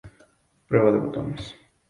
El sector pecuario es de tipo extensivo.